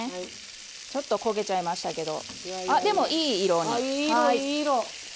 ちょっと焦げちゃいましたけどでも、いい色に。